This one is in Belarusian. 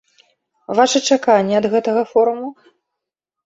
Вашы чаканні ад гэтага форуму?